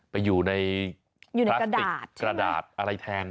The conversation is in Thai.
ไปอยู่ในกระดาษอะไรแทน